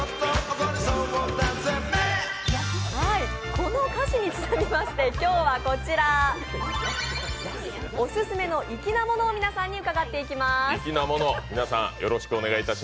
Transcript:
この歌詞にちなみまして今日はこちら、オススメの粋なものを皆さんに伺っていきます。